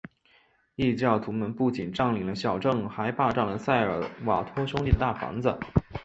异教徒们不仅占领了小镇还霸占了塞尔瓦托兄弟的大房子。